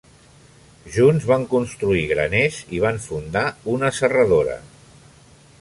Junts van construir graners i van fundar una serradora.